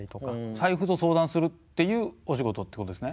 財布と相談するっていうお仕事ってことですね。